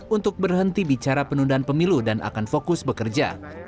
untuk berhenti bicara penundaan pemilu dan akan fokus bekerja